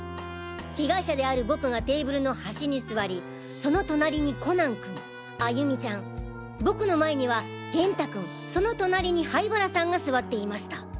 被害者である僕がテーブルの端に座りその隣にコナン君歩美ちゃん僕の前には元太君その隣に灰原さんが座っていました。